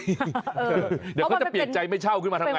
เดี๋ยวเขาจะเปลี่ยนใจไม่เช่าขึ้นมาทำไง